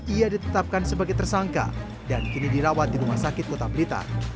ia ditetapkan sebagai tersangka dan kini dirawat di rumah sakit kota blitar